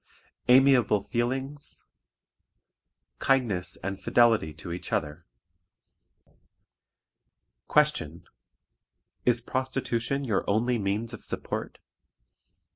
Amiable Feelings. Kindness and Fidelity to each other. Question. IS PROSTITUTION YOUR ONLY MEANS OF SUPPORT?